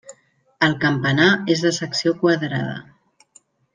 El campanar és de secció quadrada.